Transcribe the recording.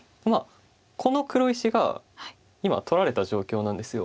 この黒石が今取られた状況なんです。